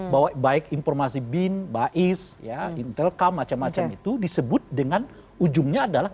bahwa baik informasi bin bais ya intelcam macam macam itu disebut dengan ujungnya adalah